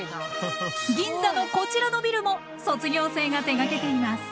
銀座のこちらのビルも卒業生が手がけています。